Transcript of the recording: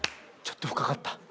ちょっと深かった。